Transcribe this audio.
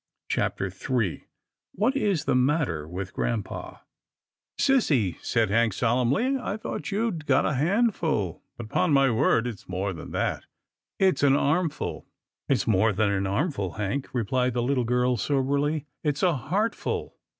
CHAPTER III WHAT IS THE MATTER WITH GRAMPA " Sissy," said Hank solemnly, " I thought you'd got a handful, but 'pon my word, it's more than that — it's an armful." " It's more than an armful. Hank," replied the little girl soberly, " it's a heartful."